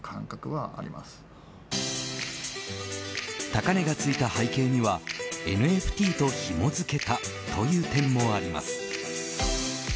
高値がついた背景にはＮＦＴとひも付けたという点もあります。